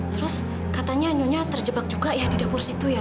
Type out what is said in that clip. terus katanya nyonya terjebak juga ya di dapur situ ya